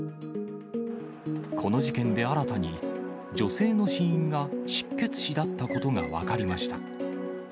この事件で新たに、女性の死因が失血死だったことが分かりました。